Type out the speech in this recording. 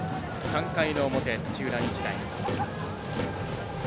３回の表、土浦日大。